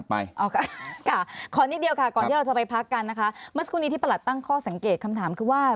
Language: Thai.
เมื่อสักครู่นี้ที่ประหลัดตั้งข้อสังเกตคำถามคือว่า